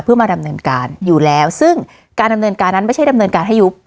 เพื่อมาดำเนินการอยู่แล้วซึ่งการดำเนินการนั้นไม่ใช่ดำเนินการให้ยุบ